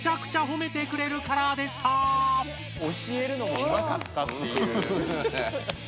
教えるのもうまかったっていう。